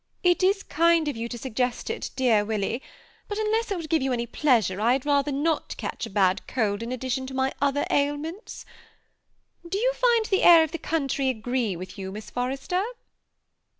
" It is kind of you to suggest it, dear Willy ; but, unless it would give you any pleasure, I had rather not catch a bad cold in addition to my other ailments. Do you find the air of this county agree with you, Miss For rester?"